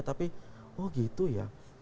tapi oh gitu ya